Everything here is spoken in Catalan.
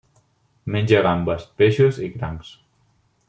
Menja gambes, peixos i crancs.